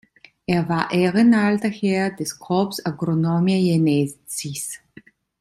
Er war Ehren-Alter Herr des Corps Agronomia-Jenensis.